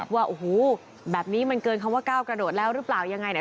ว่าแบบนี้มันเกินคำว่า๙กระโดดแล้วหรือเปล่ายังไง